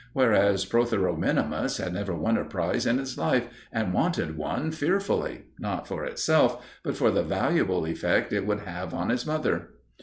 Whereas Protheroe minimus had never won a prize in his life, and wanted one fearfully not for itself, but for the valuable effect it would have on his mother.